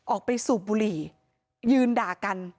ออกไปสูบบุหรี่ยืนด่ากัน